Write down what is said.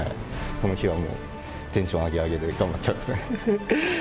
その日はもう、テンション上げ上げで頑張っちゃいますね。